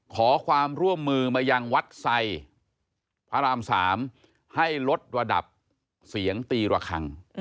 ขอความร่วมมือมายังวัดไซพระราม๓ให้ลดระดับเสียงตีระคัง